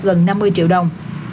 gần năm mươi triệu đồng